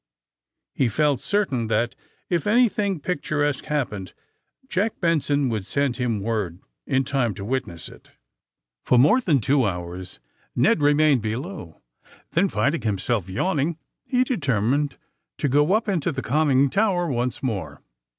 He felt certain that, if anything ^^picturesque" hap pened. Jack Benson would send him word in time to witness it. For more than two hours Ned remained be AND THE SMUGGLEES 169 low. Then, finding liimself yawning, he deter mined to go np into the conning tower once more.